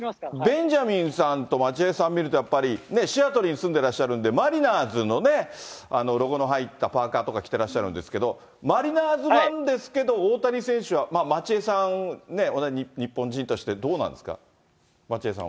ベンジャミンさんとマチエさん見ると、やっぱりね、シアトルに住んでらっしゃるんで、マリナーズのロゴの入ったパーカーとか着てらっしゃるんですけど、マリナーズファンですけれども、大谷選手はマチエさんね、同じ日本人としてどうなんですか？